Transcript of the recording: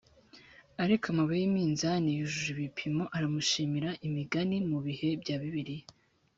ariko amabuye y iminzani yujuje ibipimo aramushimisha imigani mu bihe bya bibiliya